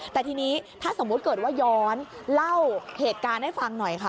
แต่ทีนี้ถ้าสมมุติเกิดว่าย้อนเล่าเหตุการณ์ให้ฟังหน่อยค่ะ